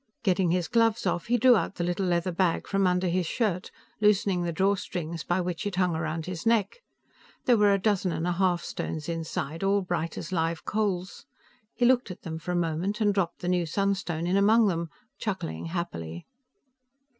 Getting his gloves off, he drew out the little leather bag from under his shirt, loosening the drawstrings by which it hung around his neck. There were a dozen and a half stones inside, all bright as live coals. He looked at them for a moment, and dropped the new sunstone in among them, chuckling happily.